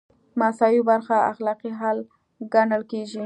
مساوي برخه اخلاقي حل ګڼل کیږي.